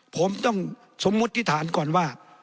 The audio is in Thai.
ผมต้องสมมติธานก่อนว่า